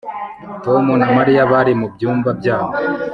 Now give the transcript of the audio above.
Tom na Mariya bari mu byumba byabo